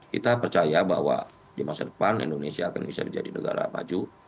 kita percaya bahwa di masa depan indonesia akan bisa menjadi negara maju